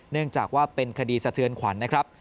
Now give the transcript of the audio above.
เนื่องจากว่าเป็นคดีสะเทือนขวัญนะครับ